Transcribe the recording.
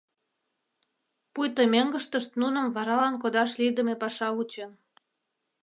Пуйто мӧҥгыштышт нуным варалан кодаш лийдыме паша вучен.